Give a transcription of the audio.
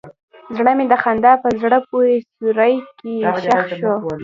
زړه مې د خندا په زړه پورې سیوري کې ښخ شو.